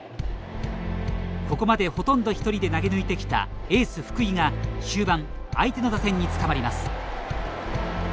ここまでほとんど一人で投げ抜いてきたエース福井が終盤相手の打線につかまります。